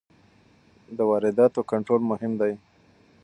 د وارداتو کنټرول مهم دی.